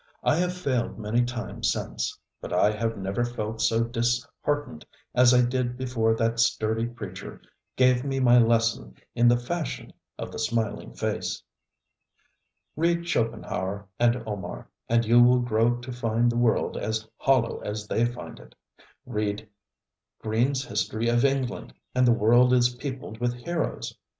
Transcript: I have failed many times since; but I have never felt so disheartened as I did before that sturdy preacher gave me my lesson in the ŌĆ£fashion of the smiling face. ŌĆØ Read Schopenhauer and Omar, and you will grow to find the world as hollow as they find it. Read GreenŌĆÖs history of England, and the world is peopled with heroes.